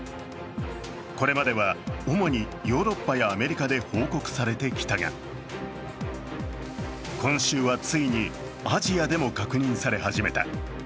これまでは主にヨーロッパやアメリカで報告されてきたが今週はついに、アジアでも確認され始めた。